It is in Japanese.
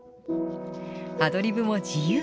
アドリブも自由。